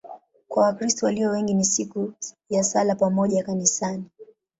Kwa Wakristo walio wengi ni siku ya sala za pamoja kanisani.